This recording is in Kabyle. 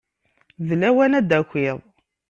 D lawan ad d-takiḍ.